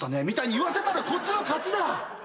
みたいに言わせたらこっちの勝ちだ！